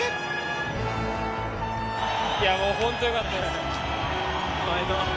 いやもうホントよかったです。